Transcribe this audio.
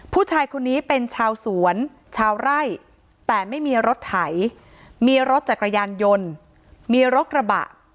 ผู้ชายคนนี้เป็นชาวสวนชาวไร่แต่ไม่มีรถไถมีรถจักรยานยนต์มีรถกระบะ